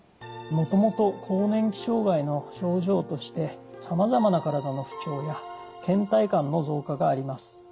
もともと更年期障害の症状としてさまざまな体の不調やけん怠感の増加があります。